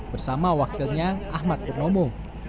bersama wakilnya ahmad pernomo